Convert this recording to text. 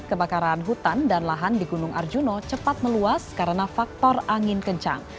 kebakaran hutan dan lahan di gunung arjuna cepat meluas karena faktor angin kencang